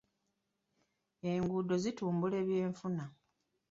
Enguudo zitumbula ebyenfuna.